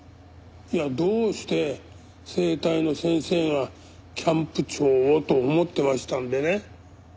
いやどうして整体の先生がキャンプ長をと思ってましたんでね。